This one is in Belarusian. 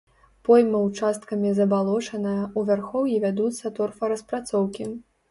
Пойма ўчасткамі забалочаная, у вярхоўі вядуцца торфараспрацоўкі.